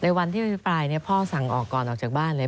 ในวันที่พี่ปลายพ่อสั่งออกกรณ์ออกจากบ้านครับ